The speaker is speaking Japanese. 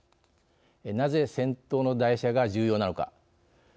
なぜ先頭の台車が重要なのか。